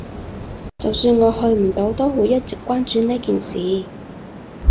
就算我去唔到，都會一直關注呢件事